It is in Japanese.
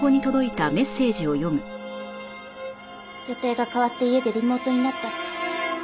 予定が変わって家でリモートになったって。